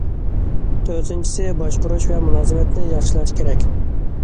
تۆتىنچىسى، باشقۇرۇش ۋە مۇلازىمەتنى ياخشىلاش كېرەك.